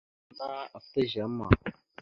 Kəla ana aftá izeama.